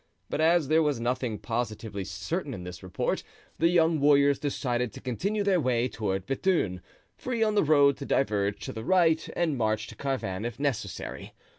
But as there was nothing positively certain in this report, the young warriors decided to continue their way toward Bethune, free on the road to diverge to the right and march to Carvin if necessary.